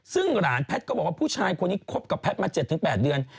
ซึ่งหลานแพทย์ก็บอกว่าผู้ชายคนนี้คบกับแพทย์มา๗๘เดือน